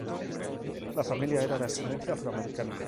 La familia era de ascendencia afroamericana.